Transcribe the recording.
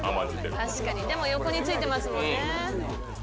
確かにでも横についてますもんね。